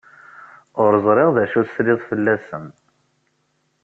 Ur ẓriɣ d acu tesliḍ fell-asen.